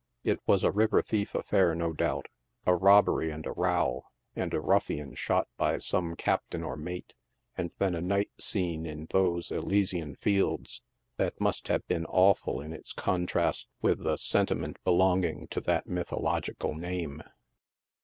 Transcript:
It was a river thief affair, no doubt — a robbery and a row, and a ruffian shot by some captain or mate, and then a night scene in those " Elysian Fields" that must have been awful in its contrast with the sentiment belong ing to that mythological name.